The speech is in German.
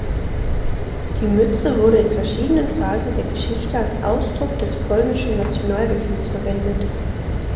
Die Mütze wurde in verschiedenen Phasen der Geschichte als Ausdruck des polnischen Nationalgefühls verwendet.